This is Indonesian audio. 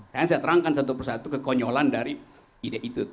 saya terangkan satu persatu kekonyolan dari ide itu